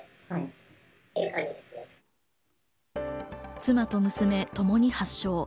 妻と娘、ともに発症。